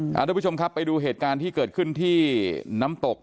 คุณผู้ชมครับไปดูเหตุการณ์ที่เกิดขึ้นที่น้ำตก